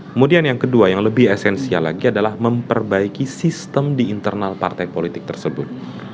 kemudian yang kedua yang lebih esensial lagi adalah memperbaiki sistem di internal partai politik tersebut